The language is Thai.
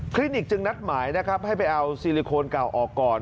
ลินิกจึงนัดหมายนะครับให้ไปเอาซิลิโคนเก่าออกก่อน